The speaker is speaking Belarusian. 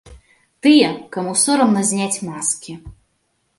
Тыя, каму сорамна зняць маскі.